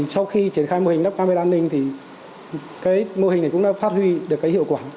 sau khi triển khai mô hình nắp camera an ninh mô hình này cũng đã phát huy được hiệu quả